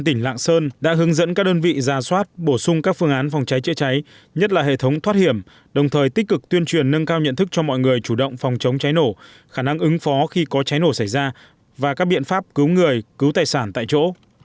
tỉnh lạng sơn đã hướng dẫn các đơn vị ra soát bổ sung các phương án phòng cháy chữa cháy nhất là hệ thống thoát hiểm đồng thời tích cực tuyên truyền nâng cao nhận thức cho mọi người chủ động phòng chống cháy nổ khả năng ứng phó khi có cháy nổ xảy ra và các biện pháp cứu người cứu tài sản tại chỗ